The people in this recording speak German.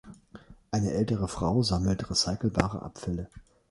Eine ältere Frau sammelt recyclebare Abfälle.